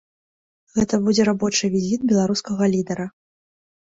Гэта будзе рабочы візіт беларускага лідара.